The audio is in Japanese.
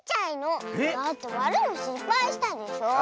だってわるのしっぱいしたでしょ？